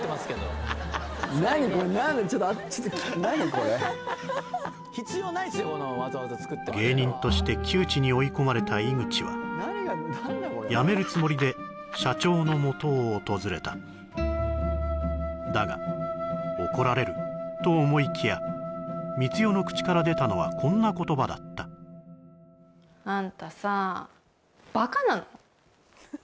それが芸人として窮地に追い込まれた井口は辞めるつもりで社長のもとを訪れただが怒られると思いきや光代の口から出たのはこんな言葉だったあんたさバカなの？